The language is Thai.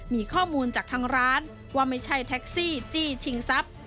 มีข้อมูลจากทางร้านว่าไม่ใช่แท็กซี่จี้ชิงทรัพย์